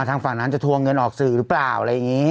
ทางฝั่งนั้นจะทวงเงินออกสื่อหรือเปล่าอะไรอย่างนี้